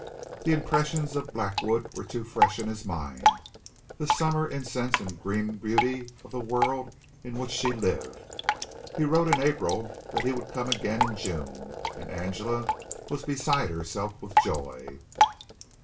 The impressions of Blackwood were too fresh in his mind the summer incense and green beauty of the world in which she lived. He wrote in April that he would come again in June, and Angela was beside herself with joy.